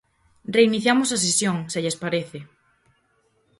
Reiniciamos a sesión, se lles parece.